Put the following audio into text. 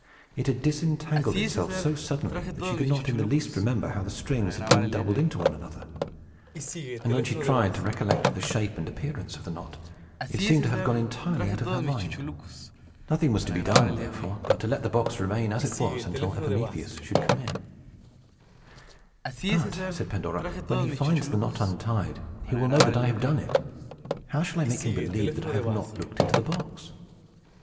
It had disentangled itself so suddenly that she could not in the least remember how the strings had been doubled into one another; and when she tried to recollect the shape and appearance of the knot, it seemed to have gone entirely out of her mind. Nothing was to be done, therefore, but to let the box remain as it was until Epimetheus should come in. "But," said Pandora, "when he finds the knot untied, he will know that I have done it. How shall I make him believe that I have not looked into the box?"